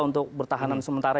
untuk bertahanan sementara